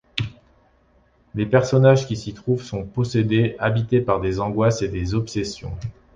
Les personnages qui s’y trouvent sont possédés, habités par des angoisses et des obsessions.